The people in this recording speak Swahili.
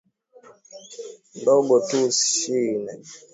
ndogo tu ya Shii ya Guiana Kwa hivyo kuna